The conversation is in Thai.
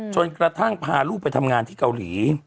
กระทั่งพาลูกไปทำงานที่เกาหลี